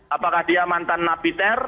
apakah dia mantan napiter